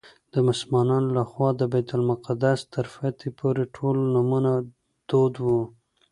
د مسلمانانو له خوا د بیت المقدس تر فتحې پورې ټول نومونه دود وو.